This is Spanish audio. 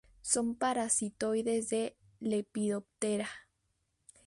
Son parasitoides de Lepidoptera.